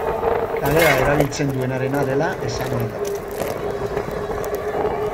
Kalea erabiltzen duenarena dela esan ohi da.